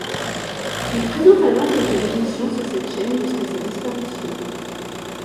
Il présente alors quelques émissions sur cette chaîne jusqu'à sa disparition.